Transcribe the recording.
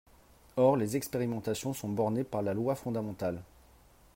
Or les expérimentations sont bornées par la loi fondamentale.